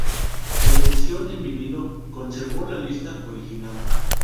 La edición en vinilo conservó la lista original.